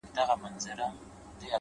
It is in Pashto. ته ټيک هغه یې خو اروا دي آتشي چیري ده ـ